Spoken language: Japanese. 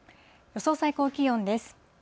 予想最高気温です。